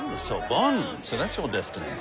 そうか。